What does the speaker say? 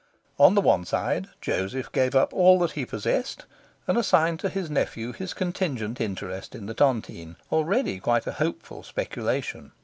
On the one side, Joseph gave up all that he possessed, and assigned to his nephew his contingent interest in the tontine, already quite a hopeful speculation.